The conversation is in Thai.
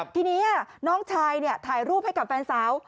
ทีนี้น้องชายถ่ายรูปให้กับแฟนสาว